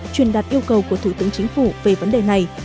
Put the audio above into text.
truyền đạt yêu cầu của thủ tướng chính phủ về vấn đề này